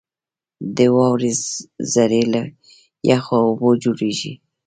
• د واورې ذرې له یخو اوبو جوړېږي.